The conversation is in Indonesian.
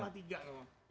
jadi cuma tiga pak